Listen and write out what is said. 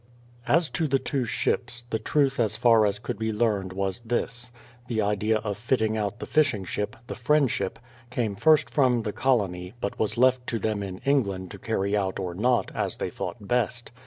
As to the two ships, the truth as far as could be learned was this. The idea of fitting out the fishing ship — the Friendship — came first from the colony, but was left to them in England to carry out or not, as they thought best.